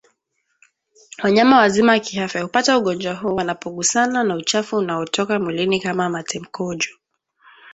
Wanyama wazima kiafya hupata ugonjwa huu wanapogusana na uchafu unaotoka mwilini kama mate mkojo